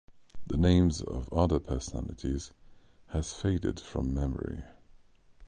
The names of other personalities has faded from memory.